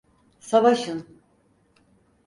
Savaşın!